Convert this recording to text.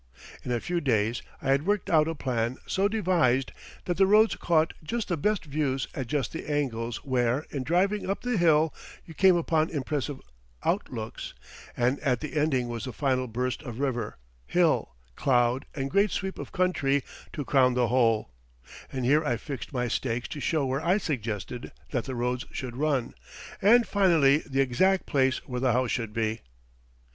In a few days I had worked out a plan so devised that the roads caught just the best views at just the angles where in driving up the hill you came upon impressive outlooks, and at the ending was the final burst of river, hill, cloud, and great sweep of country to crown the whole; and here I fixed my stakes to show where I suggested that the roads should run, and finally the exact place where the house should be.